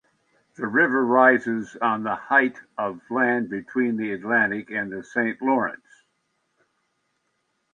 The river rises on the height of land between the Atlantic and Saint Lawrence.